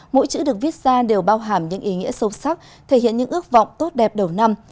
mỗi chữ được viết ra đều bao hàm những ý nghĩa sâu sắc thể hiện những ước vọng tốt đẹp đầu năm